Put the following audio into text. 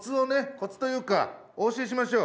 コツというかお教えしましょう。